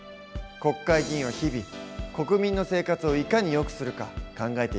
国会議員は日々国民の生活をいかに良くするか考えているんだね。